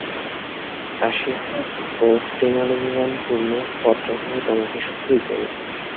আশীর্বাদ ও প্রেমালিঙ্গনপূর্ণ পত্রখানি তোমাকে সুখী করুক।